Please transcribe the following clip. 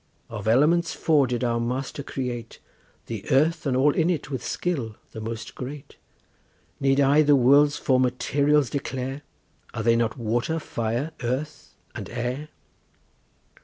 Of elements four did our Master create, The earth and all in it with skill the most great; Need I the world's four materials declare— Are they not water, fire, earth, and air?